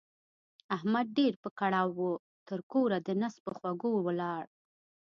احمد ډېر په کړاو وو؛ تر کوره د نس په خوږو ولاړ.